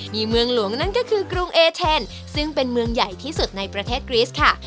มีเมืองหลวงนั่นก็คือกรุงเอเทนซึ่งเป็นเมืองใหญ่ที่สุดในประเทศกริสค่ะ